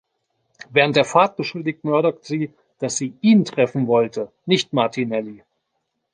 Während der Fahrt beschuldigt Murdock sie, dass sie ihn treffen wollte, nicht Martinelli.